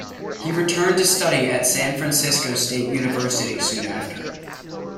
He returned to study at San Francisco State University soon after.